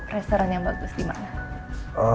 restoran yang bagus dimana